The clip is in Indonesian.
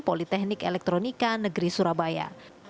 politeknik elektronika negeri surabaya